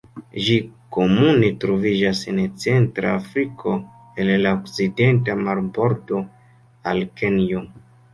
Ĝi komune troviĝas en Centra Afriko el la okcidenta marbordo al Kenjo.